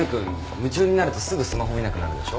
夢中になるとすぐスマホ見なくなるでしょ。